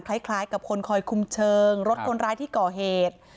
คล้ายกับคนคอยคุมเชิงรถคนร้ายที่ก่อเหตุ